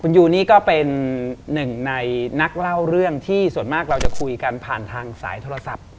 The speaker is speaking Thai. ยูนี่ก็เป็นหนึ่งในนักเล่าเรื่องที่ส่วนมากเราจะคุยกันผ่านทางสายโทรศัพท์